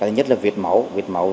nhất là việt máu